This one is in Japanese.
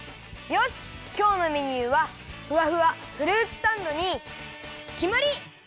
よしきょうのメニューはふわふわフルーツサンドにきまり！